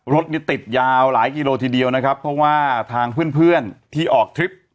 รถนี่ติดยาวหลายกิโลทีเดียวนะครับเพราะว่าทางเพื่อนเพื่อนที่ออกทริป